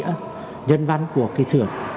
đầy đủ ý nghĩa nhân văn của thị trường